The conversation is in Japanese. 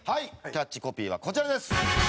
キャッチコピーはこちらです。